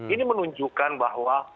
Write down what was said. ini menunjukkan bahwa